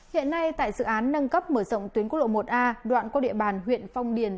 hiện nay tại dự án nâng cấp mở rộng tuyến quốc lộ một a đoạn qua địa bàn huyện phong điền